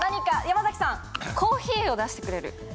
ピンポンコーヒーを出してくれる。